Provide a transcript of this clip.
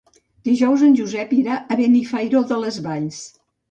Dijous en Josep irà a Benifairó de les Valls.